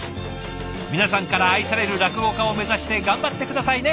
皆さんから愛される落語家を目指して頑張って下さいね！